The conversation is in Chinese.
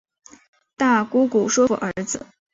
大姑姑说服儿子